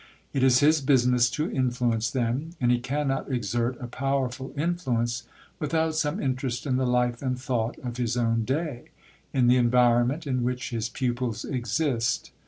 It is his business to influence them; and he cannot exert a powerful influence without some interest in the life and thought of his own day, in the environment in which his pupils exist.